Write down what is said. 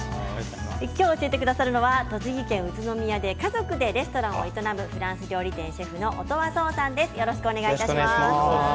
今日教えてくださるのは栃木県宇都宮で家族でレストランを営むフランス料理店シェフの音羽創さんです。